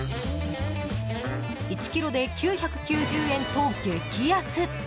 １ｋｇで９９０円と激安。